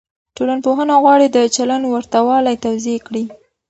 ټولنپوهنه غواړي د چلند ورته والی توضيح کړي.